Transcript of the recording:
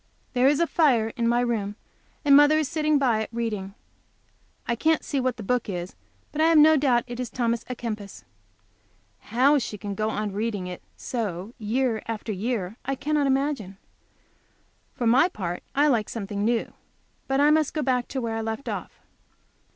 There is a fire in my room, and mother is sitting by it, reading. I can't see what book it is, but I have no doubt it is Thomas A Kempis. How she can go on reading it so year after year, I cannot imagine. For my part I like something new. But I must go back to where I left off.